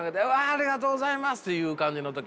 ありがとうございます！っていう感じの時ね。